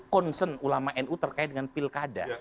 concern ulama nu terkait dengan pilkada